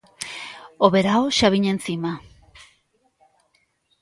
O verao xa viña encima.